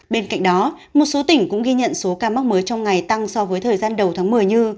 bên cạnh đó một số tỉnh cũng ghi nhận số ca mắc mới trong ngày tăng so với thời gian đầu tháng một mươi như